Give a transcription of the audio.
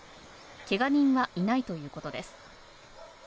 けが人はいないということです。